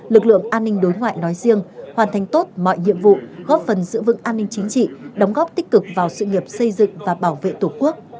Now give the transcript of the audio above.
lực lượng an ninh đối ngoại nói riêng hoàn thành tốt mọi nhiệm vụ góp phần giữ vững an ninh chính trị đóng góp tích cực vào sự nghiệp xây dựng và bảo vệ tổ quốc